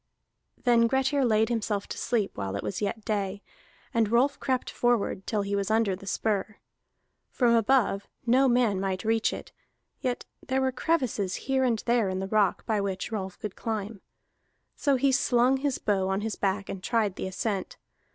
Then Grettir laid himself to sleep while it was yet day, and Rolf crept forward till he was under the spur. From above no man might reach it; yet there were crevices here and there in the rock by which Rolf could climb. So he slung his bow on his back and tried the ascent.